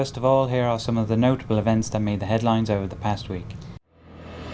trước tiên đây là những thông tin đối ngoại nổi bật trong tuần qua